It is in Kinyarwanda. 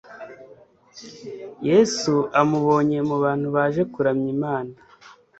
Yesu amubonye mu bantu baje kuramya Imana